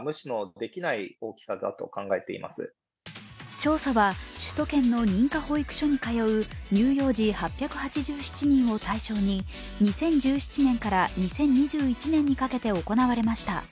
調査は首都圏の認可保育所に通う乳幼児８８７人を対象に２０１７年から２０２１年にかけて行われました。